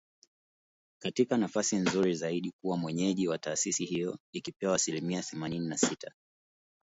katika nafasi nzuri zaidi kuwa mwenyeji wa taasisi hiyo ikipewa asilimia themanini na sita